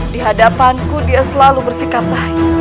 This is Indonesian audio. di hadapanku dia selalu bersikap baik